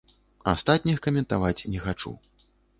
Астатніх каментаваць не хачу.